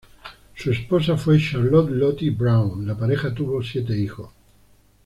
Su esposa fue Charlotte "Lottie" Brown; La pareja tuvo siete hijos.